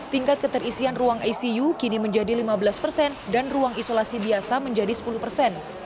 tingkat keterisian ruang icu kini menjadi lima belas persen dan ruang isolasi biasa menjadi sepuluh persen